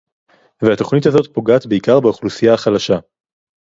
והתוכנית הזאת פוגעת בעיקר באוכלוסייה החלשה